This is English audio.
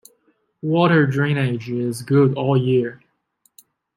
Water drainage is good all year.